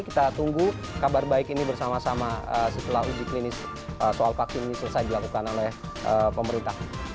kita tunggu kabar baik ini bersama sama setelah uji klinis soal vaksin ini selesai dilakukan oleh pemerintah